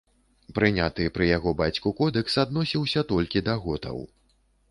Прыняты пры яго бацьку кодэкс адносіўся толькі да готаў.